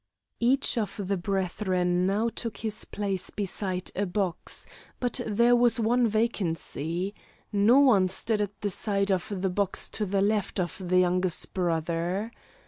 Each of the brethren now took his place beside a box, but there was one vacancy; no one stood at the side of the box to the left of the youngest brother.